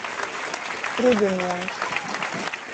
Rudynuojs.